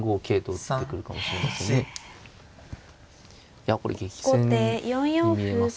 いやこれ激戦に見えます。